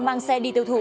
mang xe đi tiêu thụ